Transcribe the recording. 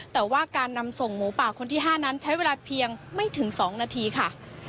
แต่ว่าการนำส่งหมูป่าคนที่๕นั้นใช้เวลาเพียงไม่ถึง๒นาทีค่ะ